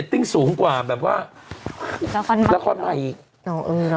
โอ้โหสูงกว่าแบบว่าละครใหม่อีกอ๋อเออน่ะ